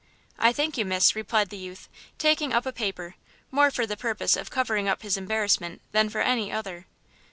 "I thank you, miss," replied the youth, taking up a paper, more for the purpose of covering up his embarrassment than for any other.